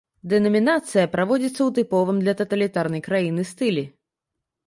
Дэнамінацыя праводзіцца ў тыповым для таталітарнай краіны стылі.